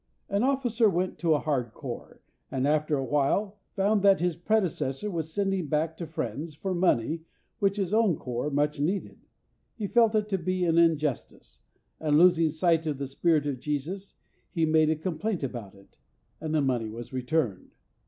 An Officer went to a hard Corps, and after a while found that his predecessor was sending back to friends for money which his own Corps much needed. He felt it to be an injustice, and, losing sight of the Spirit of Jesus, he made a complaint about it, and the money was returned.